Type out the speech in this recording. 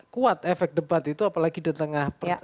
kuat efek debat itu apalagi di tengah